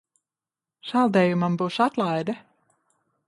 Saldējumam būs atlaide!